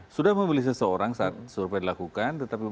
sudah memilih seseorang saat survei dilakukan